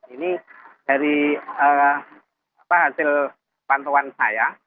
ini dari hasil pantauan saya